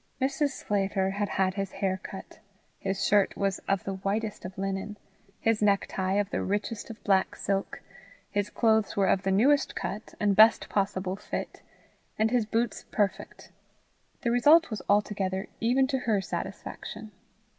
Mrs. Sclater had had his hair cut; his shirt was of the whitest of linen, his necktie of the richest of black silk, his clothes were of the newest cut and best possible fit, and his boots perfect: the result was altogether even to her satisfaction.